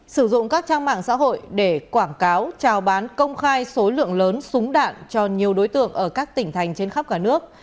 sử dụng các trang mạng xã hội để quảng cáo trào bán công khai số lượng lớn súng đạn cho nhiều đối tượng ở các tỉnh thành trên khắp cả nước